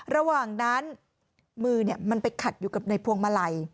ระหว่างนั้นมือมันไปขัดอยู่กับในพวงมาลัย